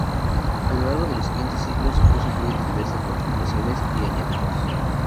A lo largo de los siguientes siglos fue sufriendo diversas modificaciones y añadidos.